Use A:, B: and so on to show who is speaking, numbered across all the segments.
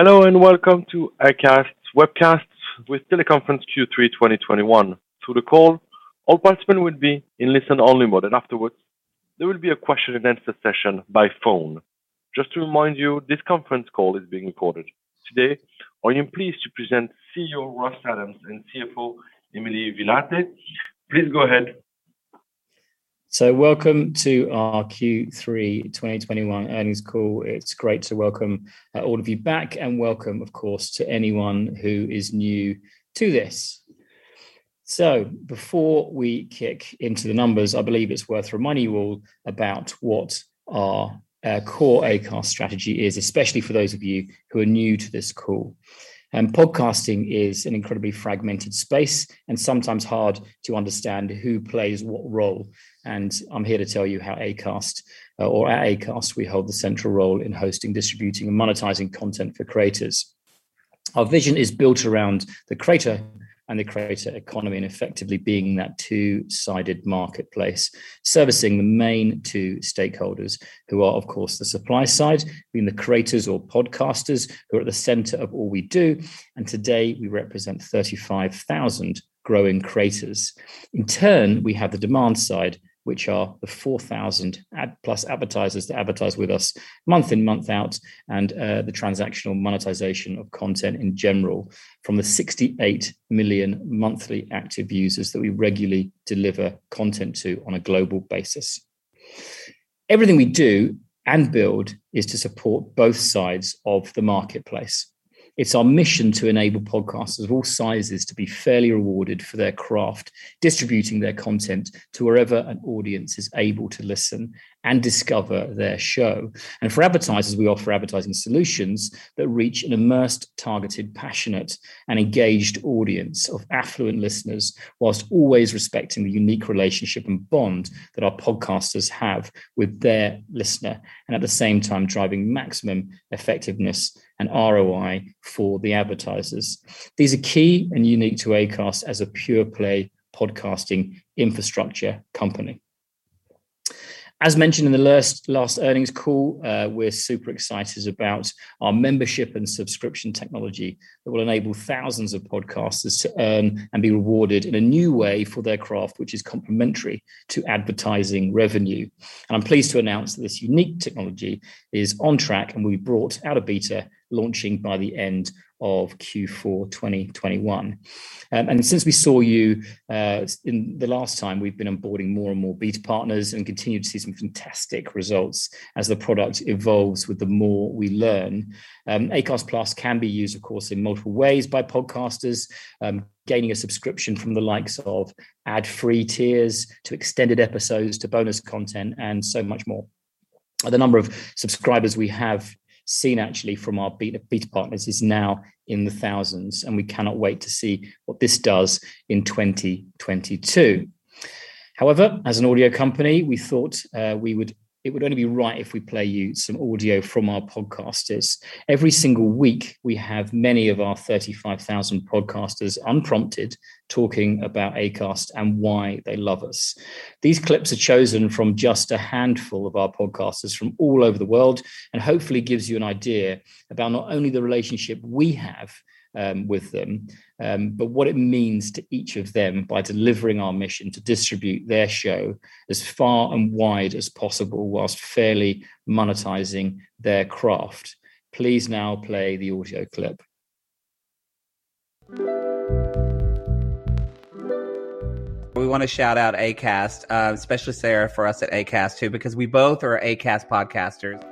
A: Hello, and welcome to Acast Webcast with Teleconference Q3 2021. Through the call, all participants will be in listen only mode, and afterwards there will be a question and answer session by phone. Just to remind you, this conference call is being recorded. Today, I am pleased to present CEO Ross Adams and CFO Emily Villatte. Please go ahead.
B: Welcome to our Q3 2021 Earnings Call. It's great to welcome all of you back, and welcome of course to anyone who is new to this. Before we kick into the numbers, I believe it's worth reminding you all about what our core Acast strategy is, especially for those of you who are new to this call. Podcasting is an incredibly fragmented space, and sometimes hard to understand who plays what role. I'm here to tell you how Acast, or at Acast, we hold the central role in hosting, distributing, and monetizing content for creators. Our vision is built around the creator and the creator economy, and effectively being that two-sided marketplace, servicing the main two stakeholders, who are of course the supply side, being the creators or podcasters who are at the center of all we do. Today we represent 35,000 growing creators. In turn, we have the demand side, which are the 4,000 Acast+ advertisers that advertise with us month in, month out, and the transactional monetization of content in general from the 68 million monthly active users that we regularly deliver content to on a global basis. Everything we do and build is to support both sides of the marketplace. It's our mission to enable podcasters of all sizes to be fairly rewarded for their craft, distributing their content to wherever an audience is able to listen and discover their show. For advertisers, we offer advertising solutions that reach an immersed, targeted, passionate, and engaged audience of affluent listeners, while always respecting the unique relationship and bond that our podcasters have with their listener, at the same time driving maximum effectiveness and ROI for the advertisers. These are key and unique to Acast as a pure play podcasting infrastructure company. As mentioned in the last earnings call, we're super excited about our membership and subscription technology that will enable thousands of podcasters to earn and be rewarded in a new way for their craft, which is complementary to advertising revenue. I'm pleased to announce that this unique technology is on track and will be brought out of beta, launching by the end of Q4 2021. Since we saw you in the last time, we've been onboarding more and more beta partners, and continue to see some fantastic results as the product evolves with the more we learn. Acast+ can be used of course in multiple ways by podcasters. Gaining a subscription from the likes of ad free tiers, to extended episodes, to bonus content, and so much more. The number of subscribers we have seen actually from our beta partners is now in the thousands and we cannot wait to see what this does in 2022. However, as an audio company, we thought it would only be right if we play you some audio from our podcasters. Every single week we have many of our 35,000 podcasters unprompted talking about Acast and why they love us. These clips are chosen from just a handful of our podcasters from all over the world, and hopefully gives you an idea about not only the relationship we have with them, but what it means to each of them by delivering our mission to distribute their show as far and wide as possible, whilst fairly monetizing their craft. Please now play the audio clip.
C: We wanna shout out Acast, especially Sarah for us at Acast too, because we both are Acast podcasters.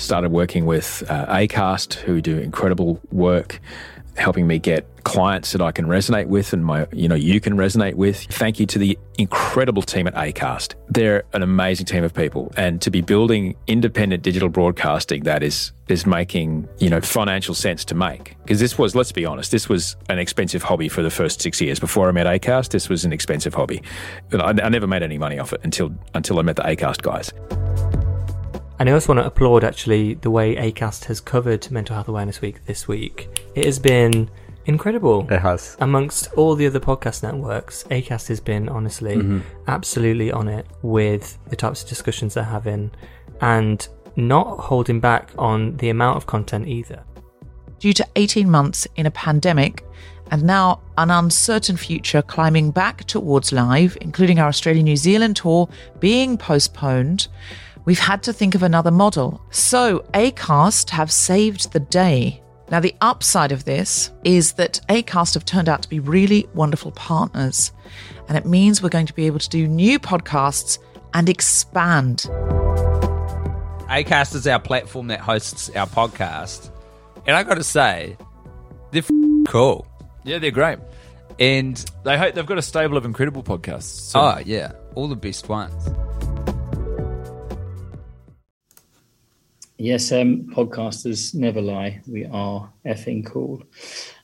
C: I started working with Acast, who do incredible work helping me get clients that I can resonate with, you know, you can resonate with. Thank you to the incredible team at Acast. They're an amazing team of people. To be building independent digital broadcasting that is making, you know, financial sense to make. 'Cause this was, let's be honest, an expensive hobby for the first six years. Before I met Acast, this was an expensive hobby. I never made any money off it until I met the Acast guys. I also wanna applaud actually the way Acast has covered Mental Health Awareness Week this week. It has been incredible. It has. Among all the other podcast networks, Acast has been honestly. Mm-hmm Absolutely on it with the types of discussions they're having, and not holding back on the amount of content either. Due to 18 months in a pandemic and now an uncertain future climbing back towards live, including our Australian New Zealand tour being postponed, we've had to think of another model. Acast have saved the day. Now, the upside of this is that Acast have turned out to be really wonderful partners, and it means we're going to be able to do new podcasts and expand. Acast is our platform that hosts our podcast, and I've gotta say, they're cool. Yeah, they're great. And- They've got a stable of incredible podcasts. Oh yeah, all the best ones.
B: Yes, podcasters never lie. We are effing cool.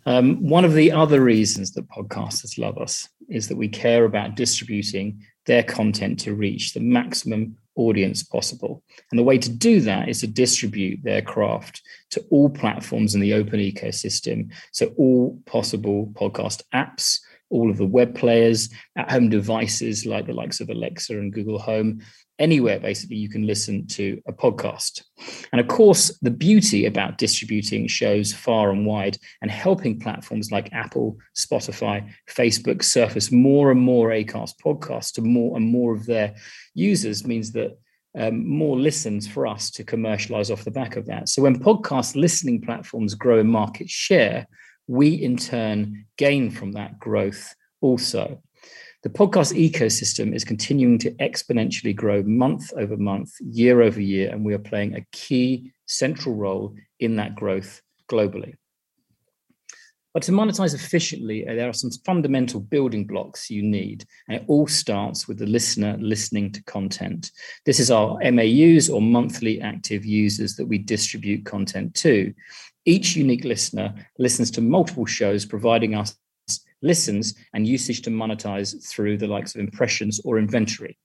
B: One of the other reasons that podcasters love us is that we care about distributing their content to reach the maximum audience possible. The way to do that is to distribute their craft to all platforms in the open ecosystem. All possible podcast apps, all of the web players, at-home devices like the likes of Alexa and Google Home, anywhere basically you can listen to a podcast. Of course, the beauty about distributing shows far and wide and helping platforms like Apple, Spotify, Facebook surface more and more Acast podcasts to more and more of their users means that more listens for us to commercialize off the back of that. When podcast listening platforms grow market share, we in turn gain from that growth also. The podcast ecosystem is continuing to exponentially grow month-over-month, year-over-year, and we are playing a key central role in that growth globally. To monetize efficiently, there are some fundamental building blocks you need, and it all starts with the listener listening to content. This is our MAUs or monthly active users that we distribute content to. Each unique listener listens to multiple shows, providing us listens and usage to monetize through the likes of impressions or inventory.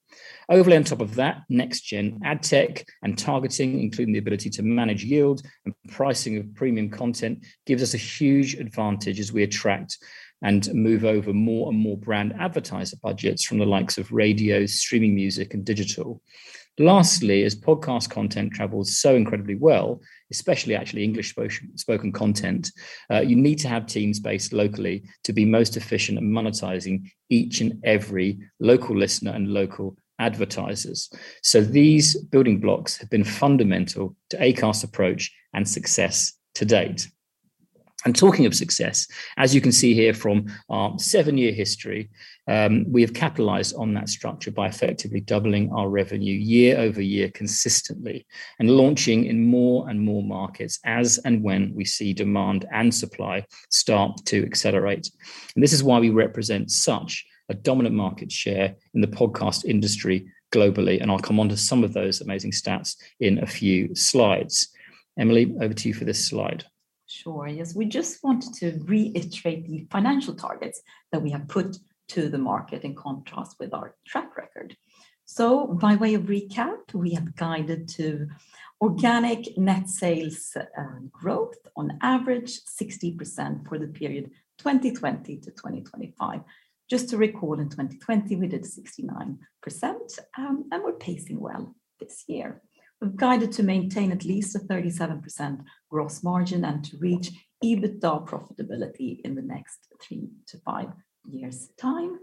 B: Overall, on top of that, next-gen ad tech and targeting, including the ability to manage yield and pricing of premium content, gives us a huge advantage as we attract and move over more and more brand advertiser budgets from the likes of radio, streaming music and digital. Lastly, as podcast content travels so incredibly well, especially actually English-spoken content, you need to have teams based locally to be most efficient at monetizing each and every local listener and local advertisers. These building blocks have been fundamental to Acast's approach and success to date. Talking of success, as you can see here from our seven-year history, we have capitalized on that structure by effectively doubling our revenue year-over-year consistently and launching in more and more markets as and when we see demand and supply start to accelerate. This is why we represent such a dominant market share in the podcast industry globally, and I'll come on to some of those amazing stats in a few slides. Emily, over to you for this slide.
D: Sure. Yes, we just want to reiterate the financial targets that we have put to the market in contrast with our track record. By way of recap, we have guided to organic net sales growth on average 60% for the period 2020 to 2025. Just to recall, in 2020 we did 69%, and we're pacing well this year. We've guided to maintain at least a 37% gross margin and to reach EBITDA profitability in the next three to five years time.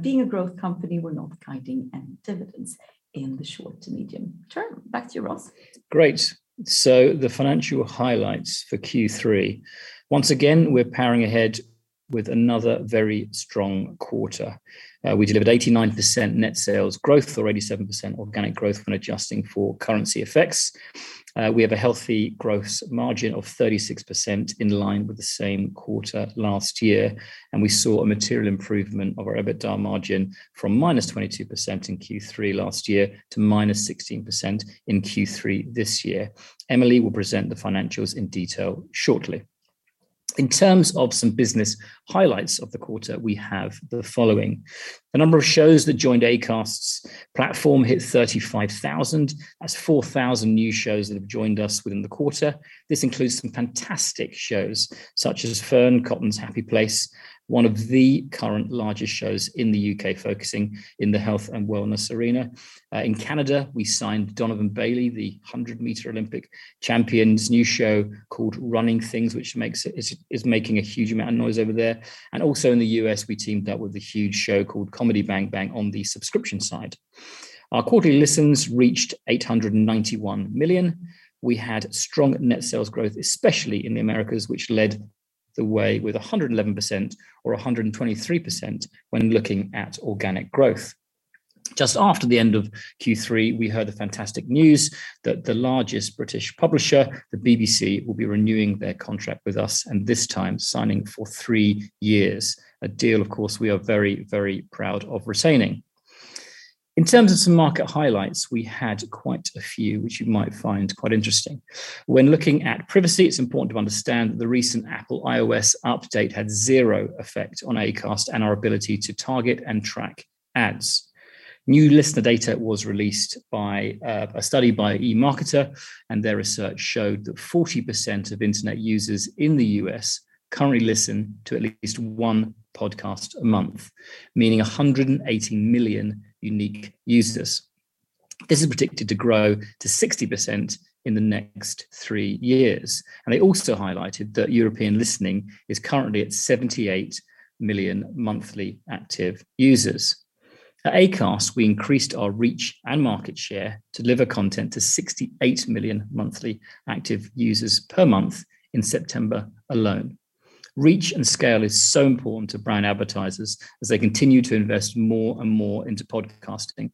D: Being a growth company, we're not guiding any dividends in the short to medium term. Back to you, Ross.
B: Great. The financial highlights for Q3. Once again, we're powering ahead with another very strong quarter. We delivered 89% net sales growth or 87% organic growth when adjusting for currency effects. We have a healthy gross margin of 36% in line with the same quarter last year, and we saw a material improvement of our EBITDA margin from -22% in Q3 last year to -16% in Q3 this year. Emily will present the financials in detail shortly. In terms of some business highlights of the quarter, we have the following. The number of shows that joined Acast's platform hit 35,000. That's 4,000 new shows that have joined us within the quarter. This includes some fantastic shows such as Fearne Cotton's Happy Place, one of the current largest shows in the U.K. focusing in the health and wellness arena. In Canada, we signed Donovan Bailey, the 100 m Olympic champion's new show called Running Things, which is making a huge amount of noise over there. Also in the U.S., we teamed up with a huge show called Comedy Bang! Bang! on the subscription side. Our quarterly listens reached 891 million. We had strong net sales growth, especially in the Americas, which led the way with 111% or 123% when looking at organic growth. Just after the end of Q3, we heard the fantastic news that the largest British publisher, the BBC, will be renewing their contract with us, and this time signing for three years. A deal, of course, we are very, very proud of retaining. In terms of some market highlights, we had quite a few, which you might find quite interesting. When looking at privacy, it's important to understand that the recent Apple iOS update had zero effect on Acast and our ability to target and track ads. New listener data was released by a study by eMarketer, and their research showed that 40% of internet users in the U.S. currently listen to at least one podcast a month, meaning 180 million unique users. This is predicted to grow to 60% in the next three years. They also highlighted that European listening is currently at 78 million monthly active users. At Acast, we increased our reach and market share to deliver content to 68 million monthly active users per month in September alone. Reach and scale is so important to brand advertisers as they continue to invest more and more into podcasting.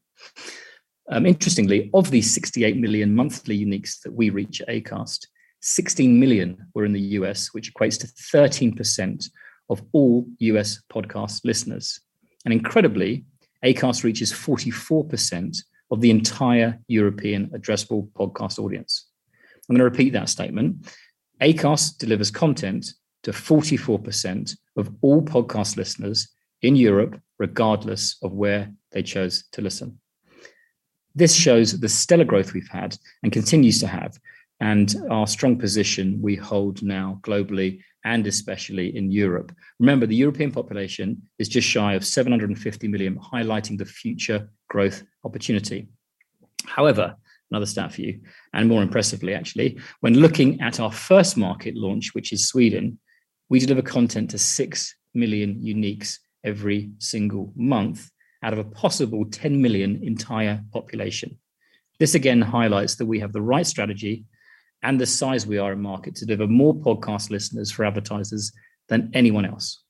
B: Interestingly, of the 68 million monthly uniques that we reach at Acast, 16 million were in the U.S., which equates to 13% of all U.S. podcast listeners. Incredibly, Acast reaches 44% of the entire European addressable podcast audience. I'm gonna repeat that statement. Acast delivers content to 44% of all podcast listeners in Europe, regardless of where they chose to listen. This shows the stellar growth we've had and continues to have, and our strong position we hold now globally, and especially in Europe. Remember, the European population is just shy of 750 million, highlighting the future growth opportunity. However, another stat for you, and more impressively actually, when looking at our first market launch, which is Sweden, we deliver content to 6 million uniques every single month out of a possible 10 million entire population. This again highlights that we have the right strategy and the size we are in market to deliver more podcast listeners for advertisers than anyone else.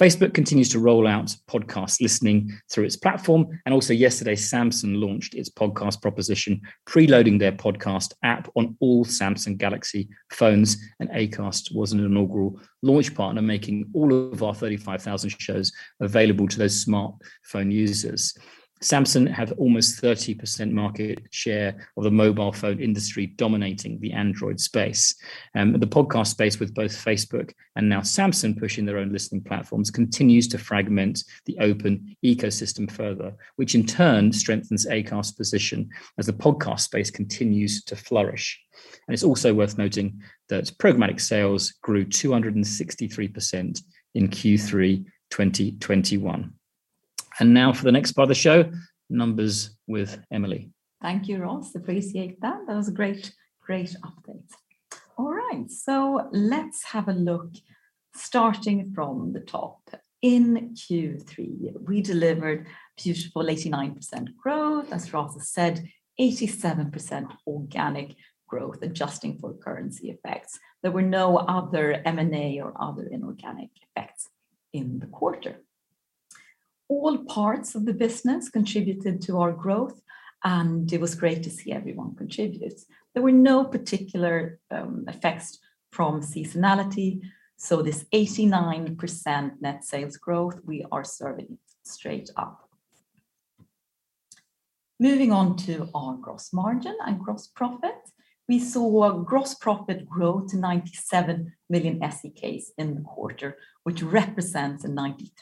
B: Facebook continues to roll out podcast listening through its platform, and also yesterday, Samsung launched its podcast proposition, preloading their podcast app on all Samsung Galaxy phones, and Acast was an inaugural launch partner, making all of our 35,000 shows available to those smartphone users. Samsung have almost 30% market share of the mobile phone industry, dominating the Android space. The podcast space with both Facebook and now Samsung pushing their own listening platforms continues to fragment the open ecosystem further, which in turn strengthens Acast's position as the podcast space continues to flourish. It's also worth noting that programmatic sales grew 263% in Q3 2021. Now for the next part of the show, numbers with Emily.
D: Thank you, Ross. Appreciate that. That was a great update. All right, let's have a look starting from the top. In Q3, we delivered beautiful 89% growth. As Ross has said, 87% organic growth, adjusting for currency effects. There were no other M&A or other inorganic effects in the quarter. All parts of the business contributed to our growth, and it was great to see everyone contribute. There were no particular effects from seasonality, so this 89% net sales growth, we are serving straight up. Moving on to our gross margin and gross profit, we saw gross profit grow to 97 million SEK in the quarter, which represents a 93%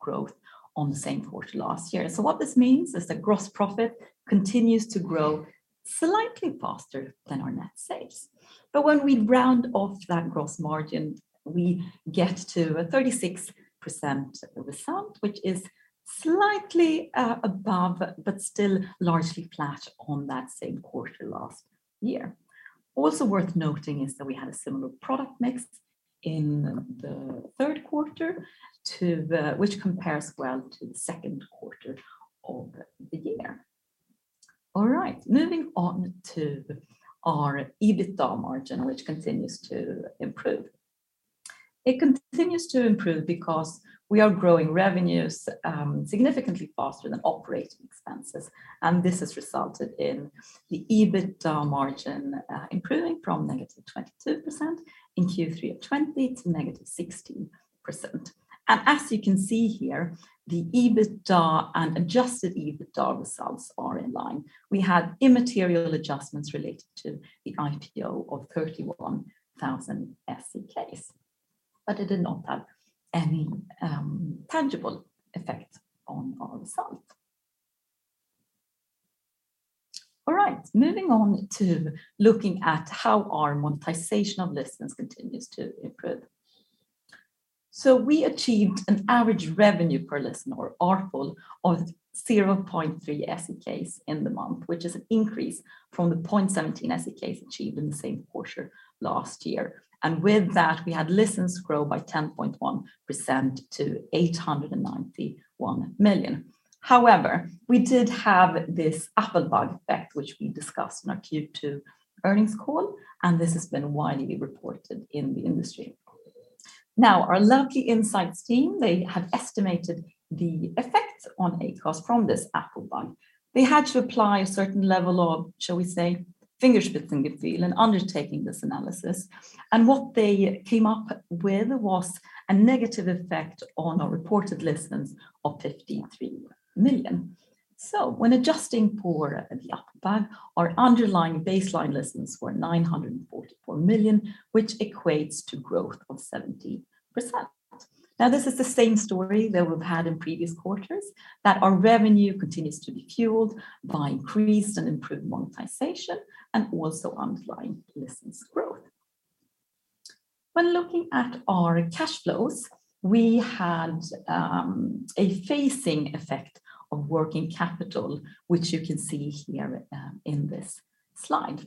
D: growth on the same quarter last year. What this means is that gross profit continues to grow slightly faster than our net sales. When we round off that gross margin, we get to a 36% result, which is slightly above, but still largely flat on that same quarter last year. Also worth noting is that we had a similar product mix in the Q3, which compares well to the Q2 of the year. All right, moving on to our EBITDA margin, which continues to improve. It continues to improve because we are growing revenues significantly faster than operating expenses, and this has resulted in the EBITDA margin improving from -22% in Q3 of 2020 to -16%. As you can see here, the EBITDA and adjusted EBITDA results are in line. We had immaterial adjustments related to the IPO of 31,000, but it did not have any tangible effect on our result. All right, moving on to looking at how our monetization of listens continues to improve. We achieved an average revenue per listen or ARPL of 0.3 SEK in the month, which is an increase from the 0.17 SEK achieved in the same quarter last year. With that, we had listens grow by 10.1% to 891 million. However, we did have this Apple bug effect, which we discussed in our Q2 earnings call, and this has been widely reported in the industry. Now, our lovely insights team, they have estimated the effect on Acast from this Apple bug. They had to apply a certain level of, shall we say, fingerspitzengefühl in undertaking this analysis. What they came up with was a negative effect on our reported listens of 53 million. When adjusting for the Apple bug, our underlying baseline listens were 944 million, which equates to growth of 70%. This is the same story that we've had in previous quarters, that our revenue continues to be fueled by increased and improved monetization and also underlying listens growth. When looking at our cash flows, we had a facing effect of working capital, which you can see here in this slide.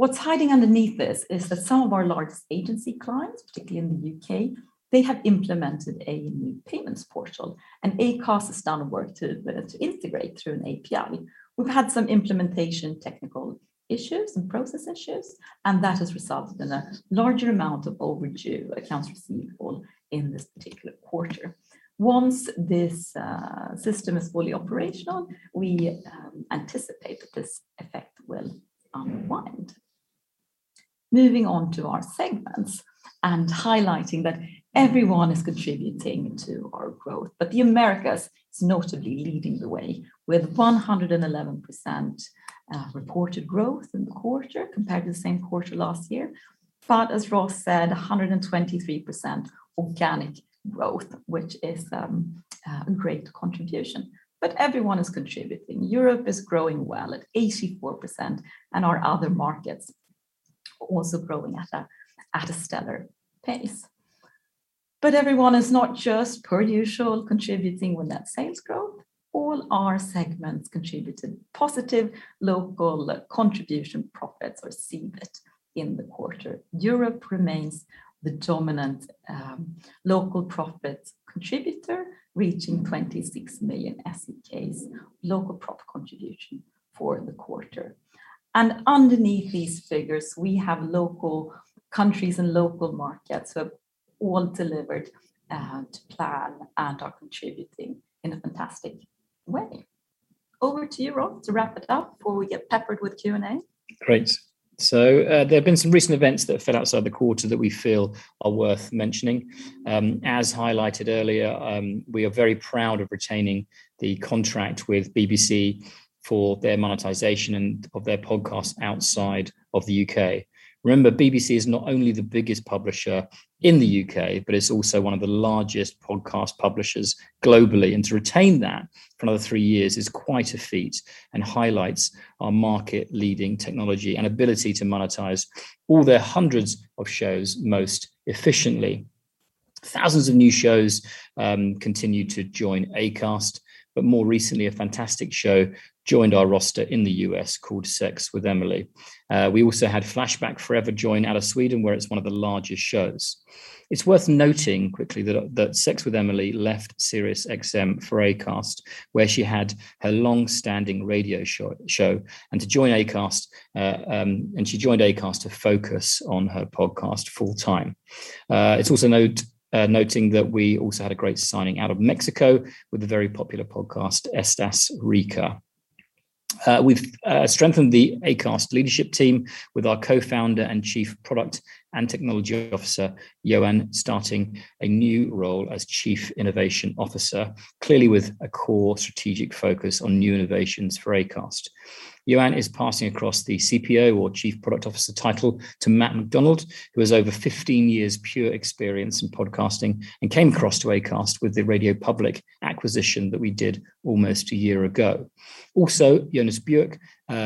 D: What's hiding underneath this is that some of our large agency clients, particularly in the U.K., they have implemented a new payments portal, and Acast has done work to integrate through an API. We've had some implementation technical issues and process issues, and that has resulted in a larger amount of overdue accounts receivable in this particular quarter. Once this system is fully operational, we anticipate that this effect will unwind. Moving on to our segments and highlighting that everyone is contributing to our growth. The Americas is notably leading the way with 111% reported growth in the quarter compared to the same quarter last year. As Ross said, 123% organic growth, which is a great contribution. Everyone is contributing. Europe is growing well at 84%, and our other markets are also growing at a stellar pace. Everyone is not just per usual contributing with that sales growth. All our segments contributed positive local contribution profits or CBIT in the quarter. Europe remains the dominant local profit contributor, reaching 26 million SEK local profit contribution for the quarter. Underneath these figures, we have local countries and local markets who have all delivered to plan and are contributing in a fantastic way. Over to you, Ross, to wrap it up before we get peppered with Q&A.
B: Great. There have been some recent events that fell outside the quarter that we feel are worth mentioning. As highlighted earlier, we are very proud of retaining the contract with BBC for their monetization and of their podcast outside of the U.K. Remember, BBC is not only the biggest publisher in the U.K., but it's also one of the largest podcast publishers globally. To retain that for another three years is quite a feat and highlights our market-leading technology and ability to monetize all their hundreds of shows most efficiently. Thousands of new shows continue to join Acast, but more recently, a fantastic show joined our roster in the U.S. called Sex With Emily. We also had Flashback Forever join out of Sweden, where it's one of the largest shows. It's worth noting quickly that Sex With Emily left SiriusXM for Acast, where she had her long-standing radio show, and she joined Acast to focus on her podcast full-time. It's also noting that we also had a great signing out of Mexico with a very popular podcast, Estás Rica. We've strengthened the Acast leadership team with our co-founder and Chief Product and Technology Officer, Johan Billgren, starting a new role as Chief Innovation Officer, clearly with a core strategic focus on new innovations for Acast. Johan Billgren is passing across the CPO or Chief Product Officer title to Matt MacDonald, who has over 15 years prior experience in podcasting and came across to Acast with the RadioPublic acquisition that we did almost a year ago. Also, Jonas Björk,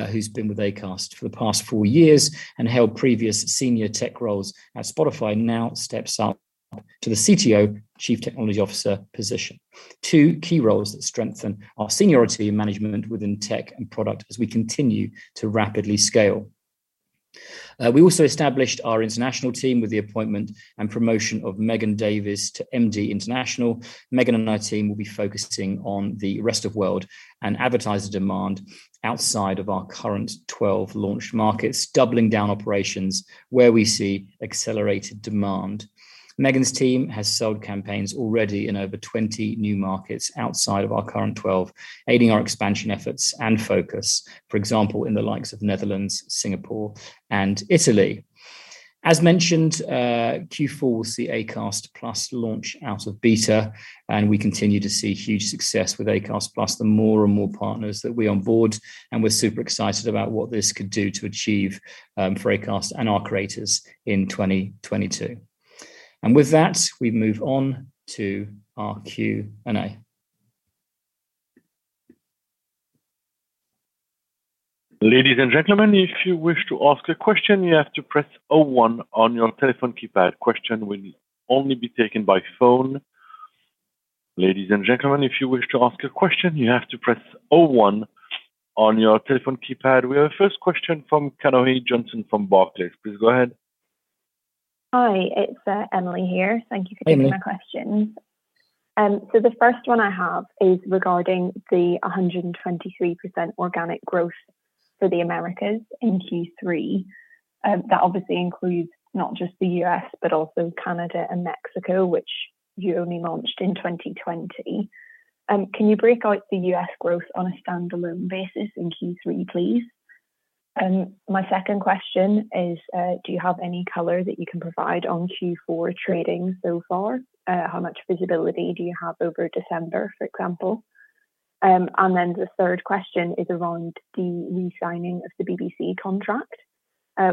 B: who's been with Acast for the past four years and held previous senior tech roles at Spotify, now steps up to the CTO, chief technology officer, position. Two key roles that strengthen our seniority in management within tech and product as we continue to rapidly scale. We also established our international team with the appointment and promotion of Megan Davies to MD International. Megan Davies and her team will be focusing on the rest of world and advertiser demand outside of our current 12 launch markets, doubling down operations where we see accelerated demand. Megan's team has sold campaigns already in over 20 new markets outside of our current 12, aiding our expansion efforts and focus, for example, in the likes of the Netherlands, Singapore, and Italy. As mentioned, Q4 will see Acast+ launch out of beta, and we continue to see huge success with Acast+, the more and more partners that we onboard, and we're super excited about what this could do to achieve for Acast and our creators in 2022. With that, we move o n to our Q&A.
A: Ladies and gentlemen if you wish to ask a question you have to press oh one on your telephone keypad. Question will only be taken by phone. Ladies and gentlemen if you wish to ask a question you have to press oh one on your telephone keypad. We have our first question from Emily Johnson from Barclays. Please go ahead.
E: Hi, it's Emily here. Thank you for taking my questions. So the first one I have is regarding the 123% organic growth for the Americas in Q3. That obviously includes not just the U.S., but also Canada and Mexico, which you only launched in 2020. Can you break out the U.S. growth on a standalone basis in Q3, please? My second question is, do you have any color that you can provide on Q4 trading so far? How much visibility do you have over December, for example? The third question is around the re-signing of the BBC contract.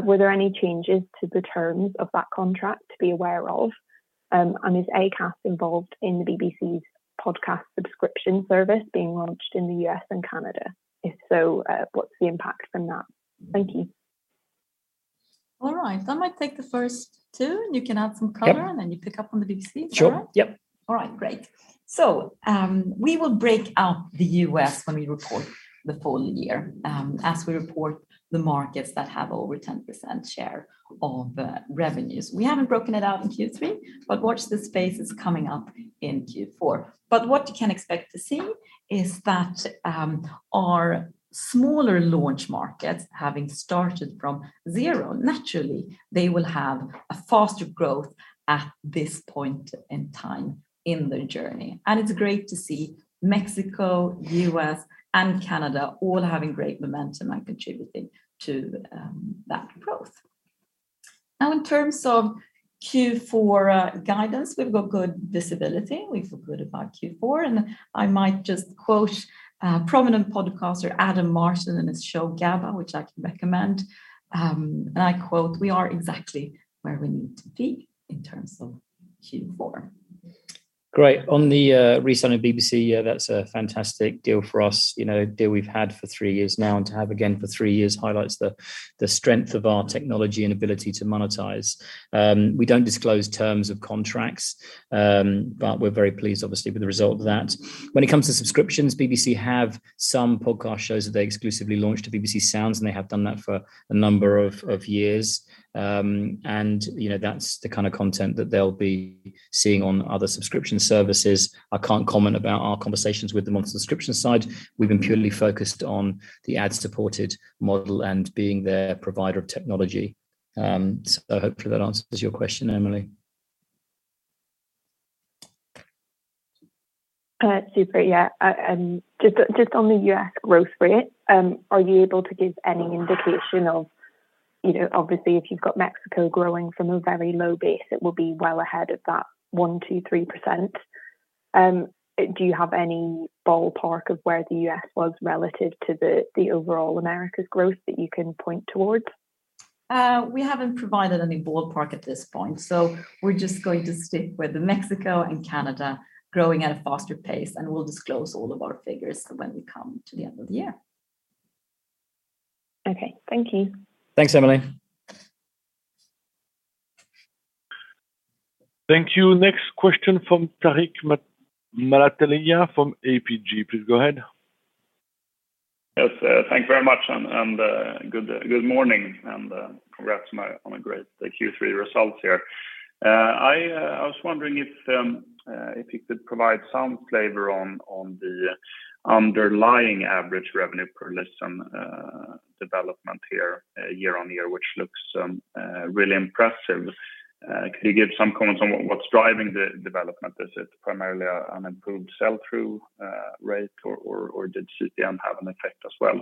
E: Were there any changes to the terms of that contract to be aware of? And is Acast involved in the BBC's podcast subscription service being launched in the U.S. and Canada? If so, what's the impact from that? Thank you.
D: All right. I might take the first two, and you can add some color.
B: Yeah.
D: You pick up on the BBC.
B: Sure.
D: All right?
B: Yep.
D: All right. Great. We will break out the U.S. when we report the full year, as we report the markets that have over 10% share of revenues. We haven't broken it out in Q3, but watch this space. It's coming up in Q4. What you can expect to see is that our smaller launch markets, having started from zero, naturally they will have a faster growth at this point in time in their journey. It's great to see Mexico, U.S., and Canada all having great momentum and contributing to that growth. Now, in terms of Q4 guidance, we've got good visibility. We feel good about Q4, and I might just quote prominent podcaster Adam Martin and his show, GABA, which I can recommend. I quote, "We are exactly where we need to be in terms of Q4."
B: Great. On the re-signing BBC, yeah, that's a fantastic deal for us, you know, a deal we've had for three years now, and to have again for three years highlights the strength of our technology and ability to monetize. We don't disclose terms of contracts, but we're very pleased obviously with the result of that. When it comes to subscriptions, BBC have some podcast shows that they exclusively launch to BBC Sounds, and they have done that for a number of years. And, you know, that's the kind of content that they'll be seeing on other subscription services. I can't comment about our conversations with them on the subscription side. We've been purely focused on the ad-supported model and being their provider of technology. So hopefully that answers your question, Emily.
E: Super. Just on the U.S. growth rate, are you able to give any indication of, you know, obviously, if you've got Mexico growing from a very low base, it will be well ahead of that 1% to 3%. Do you have any ballpark of where the U.S. was relative to the overall America's growth that you can point towards?
D: We haven't provided any ballpark at this point, so we're just going to stick with Mexico and Canada growing at a faster pace, and we'll disclose all of our figures when we come to the end of the year.
E: Okay. Thank you.
B: Thanks, Emily.
A: Thank you. Next question from [Tariq Mattawiya] from APG. Please go ahead.
F: Yes, thank you very much and good morning and congrats on a great Q3 results here. I was wondering if you could provide some flavor on the underlying average revenue per listen development here year-on-year, which looks really impressive. Could you give some comments on what's driving the development? Is it primarily an improved sell-through rate, or did CPM have an effect as well?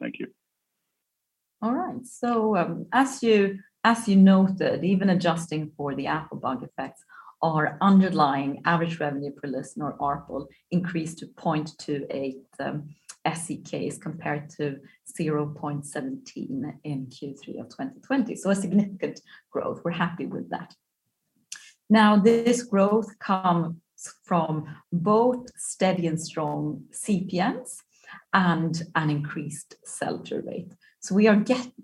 F: Thank you.
D: All right. As you noted, even adjusting for the Apple bug effects, our underlying average revenue per listener, ARPL, increased to 0.28 SEK as compared to 0.17 in Q3 of 2020. A significant growth. We're happy with that. Now, this growth comes from both steady and strong CPMs and an increased sell-through rate. We are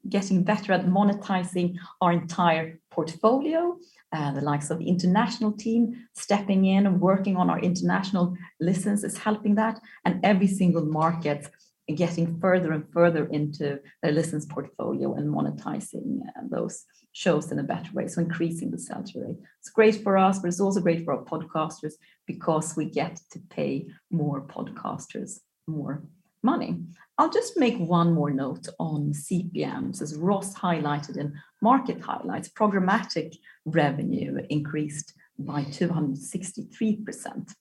D: getting better at monetizing our entire portfolio. The likes of the international team stepping in and working on our international listens is helping that, and every single market getting further and further into the listens portfolio and monetizing those shows in a better way, so increasing the sell-through rate. It's great for us, but it's also great for our podcasters because we get to pay more podcasters more money. I'll just make one more note on CPMs. As Ross highlighted in market highlights, programmatic revenue increased by 263%.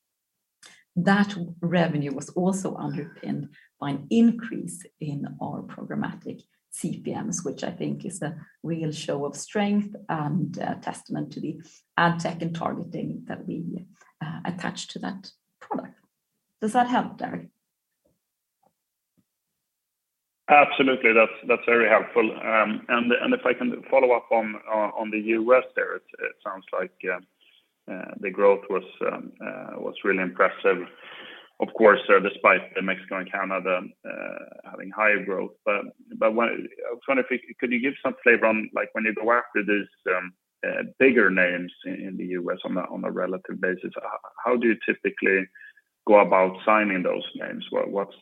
D: That revenue was also underpinned by an increase in our programmatic CPMs, which I think is a real show of strength and a testament to the ad tech and targeting that we attach to that product. Does that help, [Tariq]?
F: Absolutely. That's very helpful. If I can follow up on the U.S. there, it sounds like the growth was really impressive. Of course, despite Mexico and Canada having higher growth. I was wondering if you could give some flavor on, like, when you go after these bigger names in the U.S. on a relative basis, how do you typically go about signing those names? What's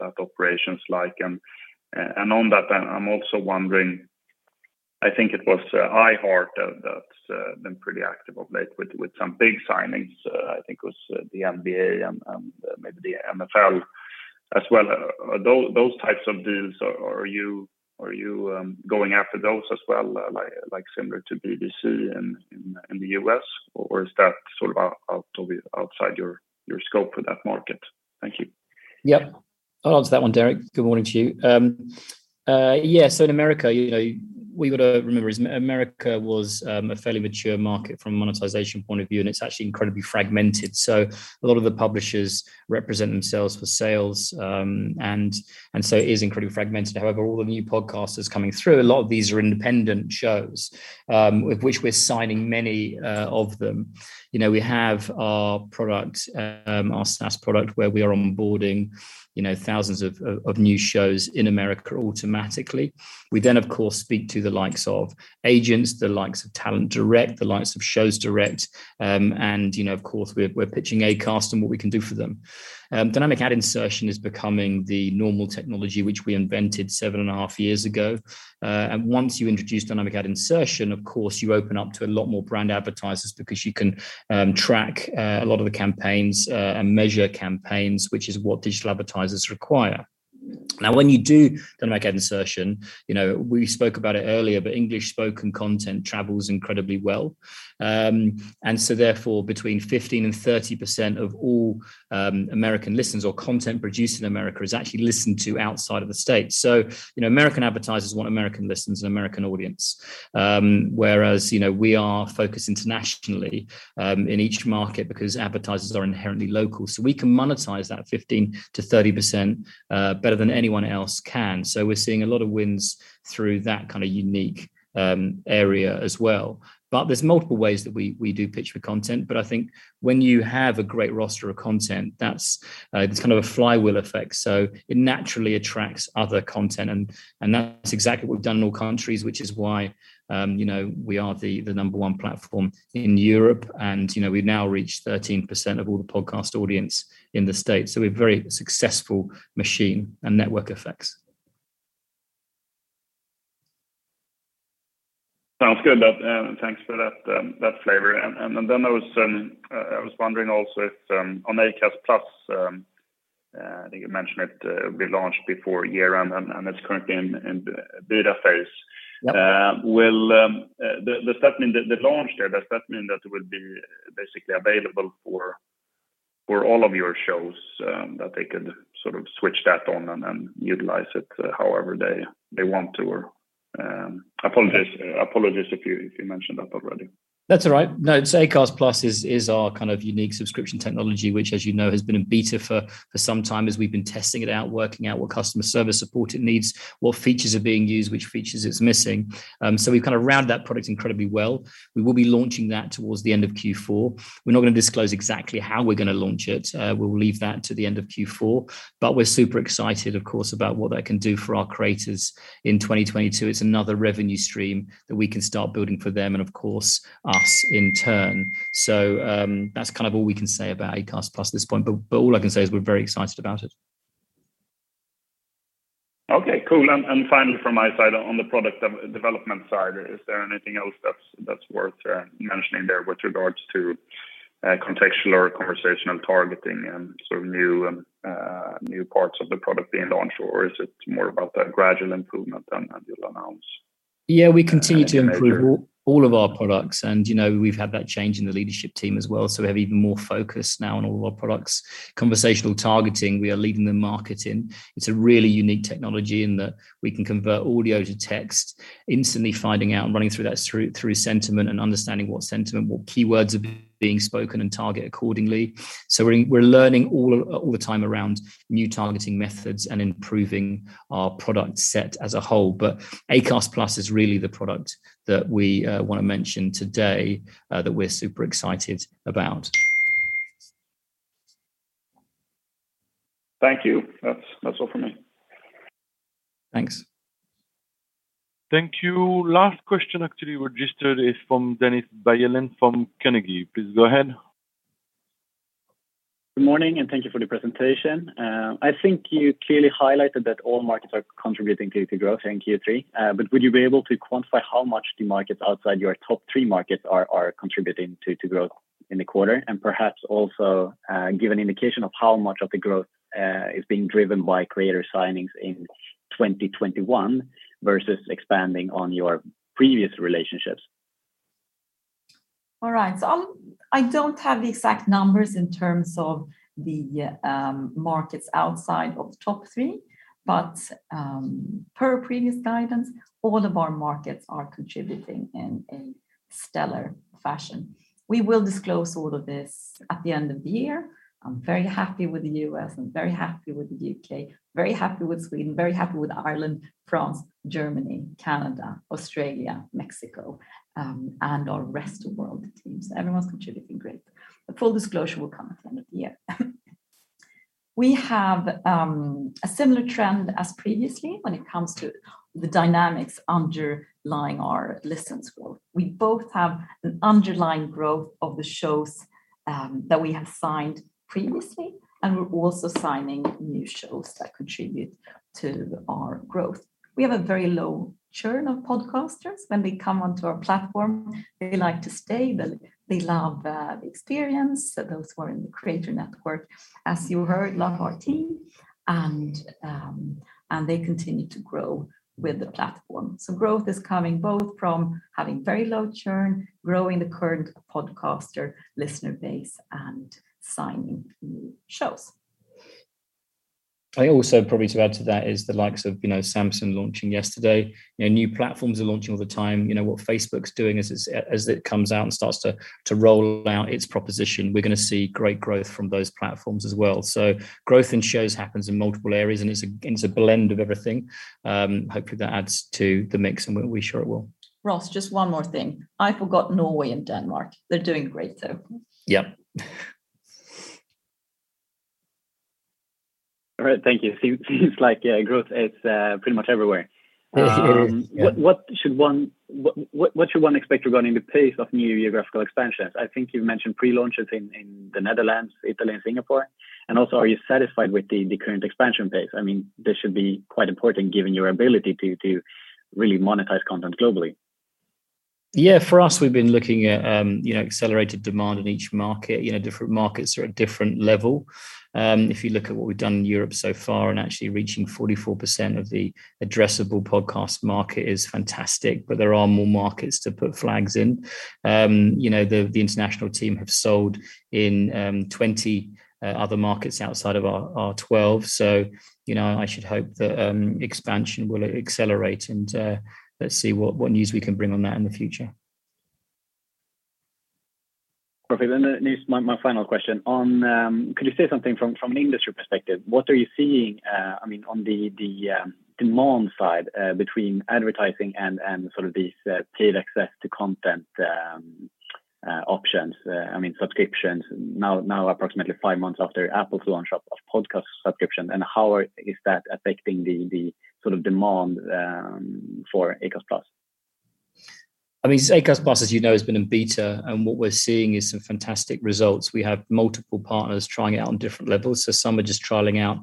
F: that operation like? On that, I'm also wondering, I think it was iHeart that's been pretty active of late with some big signings. I think it was the NBA and maybe the NFL as well. Are those types of deals, are you going after those as well, like similar to BBC in the U.S., or is that sort of outside your scope for that market? Thank you.
B: Yeah. I'll answer that one, [Tariq]. Good morning to you. In America, you know, we've got to remember, America was a fairly mature market from a monetization point of view, and it's actually incredibly fragmented. A lot of the publishers represent themselves for sales, and so it is incredibly fragmented. However, all the new podcasters coming through, a lot of these are independent shows, of which we're signing many of them. You know, we have our product, our SaaS product, where we are onboarding, you know, thousands of new shows in America automatically. We then, of course, speak to the likes of agents, the likes of talent direct, the likes of shows direct, and, you know, of course, we're pitching Acast on what we can do for them. Dynamic ad insertion is becoming the normal technology which we invented 7.5 years ago. Once you introduce dynamic ad insertion, of course, you open up to a lot more brand advertisers because you can track a lot of the campaigns and measure campaigns, which is what digital advertisers require. When you do dynamic ad insertion, you know, we spoke about it earlier, but English-spoken content travels incredibly well. Therefore, between 15% and 30% of all American listens or content produced in America is actually listened to outside of the States. You know, American advertisers want American listens and American audience, whereas, you know, we are focused internationally in each market because advertisers are inherently local. We can monetize that 15% to 30% better than anyone else can. We're seeing a lot of wins through that kind of unique area as well. There's multiple ways that we do pitch for content, but I think when you have a great roster of content, there's kind of a flywheel effect. It naturally attracts other content and that's exactly what we've done in all countries, which is why you know we are the number one platform in Europe and you know we've now reached 13% of all the podcast audience in the States. We're a very successful machine and network effects.
F: Sounds good. Thanks for that flavor. Then I was wondering also if on Acast+ I think you mentioned it will be launched before year-end and it's currently in beta phase.
B: Yep.
F: Does that mean the launch there, does that mean that it will be basically available for all of your shows, that they could sort of switch that on and utilize it however they want to, or? Apologies if you mentioned that already.
B: That's all right. No, Acast+ is our kind of unique subscription technology, which as you know, has been in beta for some time as we've been testing it out, working out what customer service support it needs, what features are being used, which features it's missing. We've kind of rounded that product incredibly well. We will be launching that towards the end of Q4. We're not gonna disclose exactly how we're gonna launch it. We'll leave that to the end of Q4, but we're super excited of course, about what that can do for our creators in 2022. It's another revenue stream that we can start building for them and of course us in turn. That's kind of all we can say about Acast+ at this point, but all I can say is we're very excited about it.
F: Okay, cool. Finally from my side on the product development side, is there anything else that's worth mentioning there with regards to contextual or Conversational Targeting and sort of new parts of the product being launched? Or is it more about the gradual improvement and you'll announce in the future?
B: Yeah, we continue to improve all of our products and, you know, we've had that change in the leadership team as well. We have even more focus now on all of our products. Conversational Targeting, we are leading the market in. It's a really unique technology in that we can convert audio to text, instantly finding out and running that through sentiment and understanding what sentiment, what keywords are being spoken and target accordingly. We're learning all the time around new targeting methods and improving our product set as a whole. Acast+ is really the product that we wanna mention today that we are super excited about.
F: Thank you. That's all from me.
B: Thanks.
A: Thank you. Last question actually registered is from Dennis Berggren from Carnegie. Please go ahead.
G: Good morning and thank you for the presentation. I think you clearly highlighted that all markets are contributing to growth in Q3. Would you be able to quantify how much the markets outside your top three markets are contributing to growth in the quarter? Perhaps also give an indication of how much of the growth is being driven by creator signings in 2021 versus expanding on your previous relationships.
D: All right. I don't have the exact numbers in terms of the markets outside of the top three, but per previous guidance, all of our markets are contributing in a stellar fashion. We will disclose all of this at the end of the year. I'm very happy with the U.S. I'm very happy with the U.K., very happy with Sweden, very happy with Ireland, France, Germany, Canada, Australia, Mexico, and our rest of world teams. Everyone's contributing great. Full disclosure will come at the end of the year. We have a similar trend as previously when it comes to the dynamics underlying our listens growth. We both have an underlying growth of the shows that we have signed previously, and we're also signing new shows that contribute to our growth. We have a very low churn of podcasters. When they come onto our platform, they like to stay, they love the experience. Those who are in the creator network, as you heard, love our team and they continue to grow with the platform. Growth is coming both from having very low churn, growing the current podcaster listener base and signing new shows.
B: I also, probably to add to that is the likes of, you know, Samsung launching yesterday. You know, new platforms are launching all the time. You know, what Facebook's doing as it's, as it comes out and starts to roll out its proposition. We're gonna see great growth from those platforms as well. Growth in shows happens in multiple areas, and it's a blend of everything. Hopefully that adds to the mix and we're sure it will.
D: Ross, just one more thing. I forgot Norway and Denmark. They're doing great though.
B: Yep.
G: All right. Thank you. Seems like, yeah, growth is pretty much everywhere.
B: Yeah.
G: What should one expect regarding the pace of new geographical expansions? I think you've mentioned pre-launches in the Netherlands, Italy and Singapore. Also, are you satisfied with the current expansion pace? I mean, this should be quite important given your ability to really monetize content globally.
B: Yeah. For us, we've been looking at, you know, accelerated demand in each market. You know, different markets are at different level. If you look at what we've done in Europe so far, actually reaching 44% of the addressable podcast market is fantastic, but there are more markets to put flags in. You know, the international team have sold in 20 other markets outside of our 12. You know, I should hope that expansion will accelerate and let's see what news we can bring on that in the future.
G: Perfect. This, my final question. On, could you say something from an industry perspective, what are you seeing, I mean on the demand side, between advertising and sort of these paid access to content options, I mean subscriptions now approximately five months after Apple's launch of podcast subscription, and how is that affecting the sort of demand for Acast+?
B: I mean, Acast+ has been in beta, and what we're seeing is some fantastic results. We have multiple partners trying it out on different levels. Some are just trialing out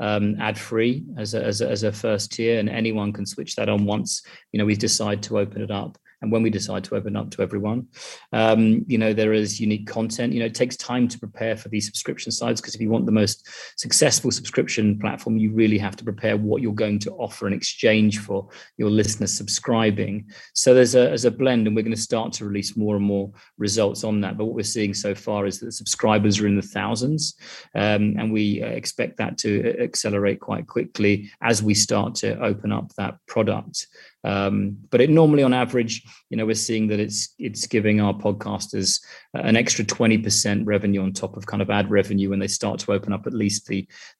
B: ad-free as a first tier, and anyone can switch that on once, you know, we decide to open it up and when we decide to open it up to everyone. You know, there is unique content. You know, it takes time to prepare for these subscription sites 'cause if you want the most successful subscription platform, you really have to prepare what you're going to offer in exchange for your listeners subscribing. There's a blend, and we're gonna start to release more and more results on that. What we're seeing so far is that subscribers are in the thousands, and we expect that to accelerate quite quickly as we start to open up that product. It normally on average, you know, we're seeing that it's giving our podcasters an extra 20% revenue on top of kind of ad revenue when they start to open up at least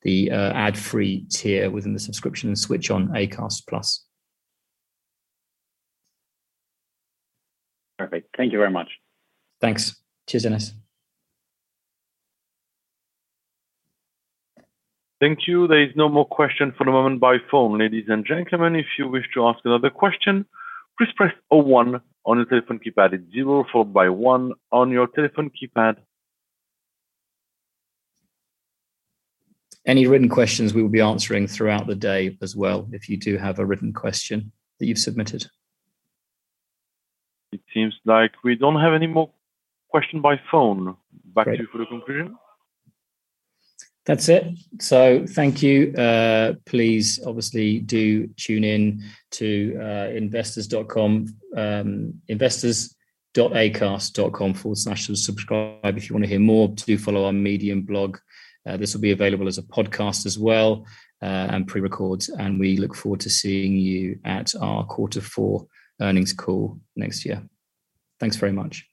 B: the ad-free tier within the subscription and switch on Acast +.
G: Perfect. Thank you very much.
B: Thanks. Cheers, Dennis.
A: Thank you. There is no more question for the moment by phone. Ladies and gentlemen, if you wish to ask another question, please press oh one on your telephone keypad. It's zero four by one on your telephone keypad.
B: Any written questions, we will be answering throughout the day as well, if you do have a written question that you've submitted.
A: It seems like we don't have any more question by phone.
B: Great.
A: Back to you for the conclusion.
B: That's it. Thank you. Please obviously do tune in to investors.com, investors.acast.com/subscribe. If you wanna hear more, do follow our Medium blog. This will be available as a podcast as well, and pre-recorded. We look forward to seeing you at our Q4 Earnings Call next year. Thanks very much.